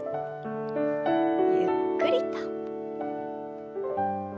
ゆっくりと。